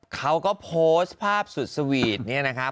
เขาก็โพสต์ภาพสุดสวีทเนี่ยนะครับ